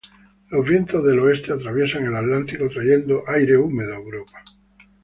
Los vientos del oeste atraviesan el Atlántico, trayendo aire húmedo a Europa.